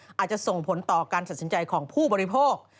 อาจจะส่งผลต่อการตัดสินใจของผู้บริโภค